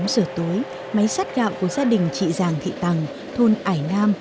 một mươi tám giờ tối máy sắt gạo của gia đình chị giàng thị tằng thôn ải nam